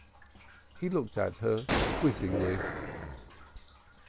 He looked at her quizzingly.